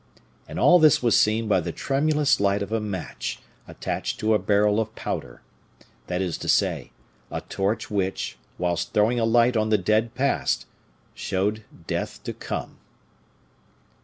And all this was seen by the tremulous light of a match attached to a barrel of powder, that is to say, a torch which, whilst throwing a light on the dead past, showed death to come.